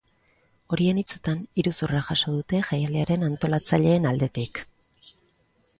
Horien hitzetan, iruzurra jaso dute jaialdiaren antolatzaileen aldetik.